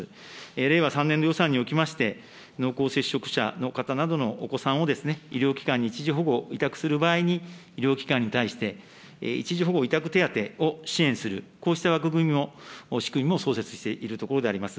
令和３年度予算におきまして、濃厚接触者の方などのお子さんを医療機関に一時保護、委託する場合に、医療機関に対して、一時保護委託手当を支援する、こうした枠組みも、仕組みも創設しているところであります。